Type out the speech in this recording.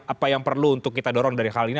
apa yang perlu untuk kita dorong dari hal ini